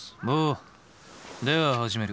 では始める。